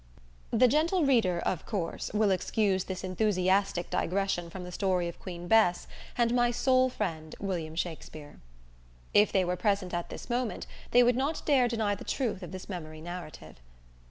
The gentle reader (of course) will excuse this enthusiastic digression from the story of Queen Bess and my soul friend William Shakspere. If they were present at this moment, they would not dare deny the truth of this memory narrative.